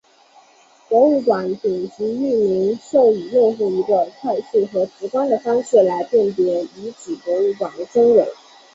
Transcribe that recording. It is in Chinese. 博物馆顶级域名授予用户一个快速和直观的方式来辨别遗址博物馆的真伪。